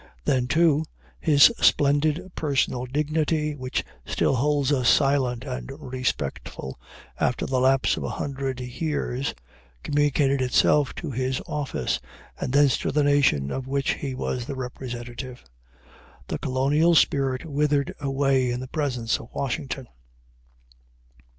Then, too, his splendid personal dignity, which still holds us silent and respectful after the lapse of a hundred years, communicated itself to his office, and thence to the nation of which he was the representative. The colonial spirit withered away in the presence of Washington.